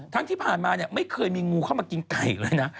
ที่ผ่านมาเนี่ยไม่เคยมีงูเข้ามากินไก่เลยนะ